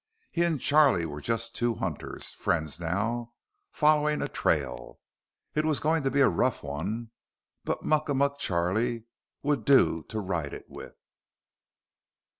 He and Charlie were just two hunters, friends now, following a trail. It was going to be a rough one, but Muckamuck Charlie would do to ride it with.